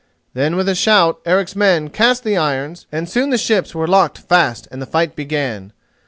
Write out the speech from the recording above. Then with a shout Eric's men cast the irons and soon the ships were locked fast and the fight began.